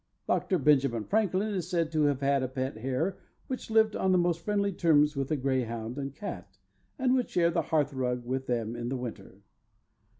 Dr. Benjamin Franklin is said to have had a pet hare which lived on the most friendly terms with a greyhound and cat, and would share the hearth rug with them in the winter.